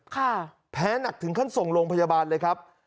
แพ้หนักถึงขั้นส่งโรงพยาบาลเลยครับ